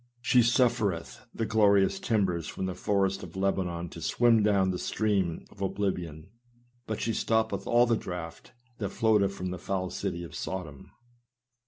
She sufTereth the glorious timbers from the forest of Lebanon to swim down the stream of oblivion, but she stoppeth all the draff that noateth from the foul city of Sodom.